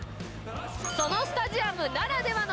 そのスタジアムならではの